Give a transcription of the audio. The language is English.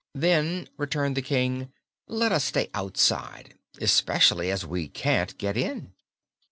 "Then," returned the King, "let us stay outside; especially as we can't get in."